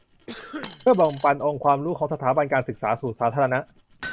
เพื่อแบ่งปันองค์ความรู้ของสถาบันการศึกษาสู่สาธารณะ